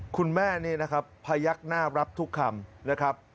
คุณแม่นี่นะครับพยักหน้ารับทุกคำนะครับ